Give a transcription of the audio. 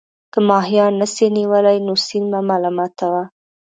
که ماهيان نسې نيولى، نو سيند مه ملامت وه.